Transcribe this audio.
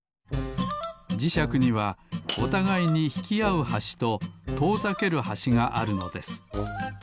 じしゃくにはおたがいにひきあうはしととおざけるはしがあるのです。